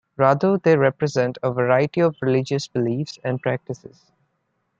Rather they represent a variety of religious beliefs and practices.